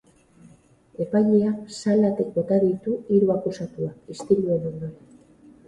Epaileak salatik bota ditu hiru akusatuak, istiluen ondoren.